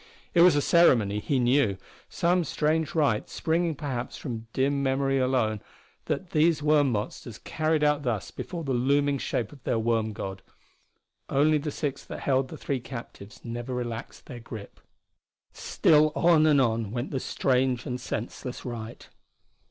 It was a ceremony, he knew some strange rite springing perhaps from dim memory alone, that these worm monsters carried out thus before the looming shape of their worm god. Only the six that held the three captives never relaxed their grip. Still on and on went the strange and senseless rite.